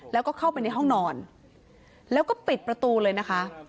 แล้วก็เข้าไปในห้องนอนแล้วก็ปิดประตูเลยนะคะ